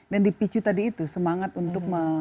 dan dipicu tadi itu semangat untuk